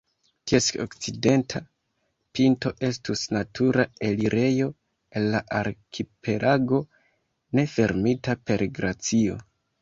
Ties okcidenta pinto estus natura elirejo el la arkipelago ne fermita per glacio.